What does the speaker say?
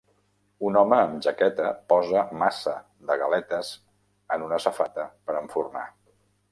Un home amb jaqueta posa massa de galetes en una safata per enfornar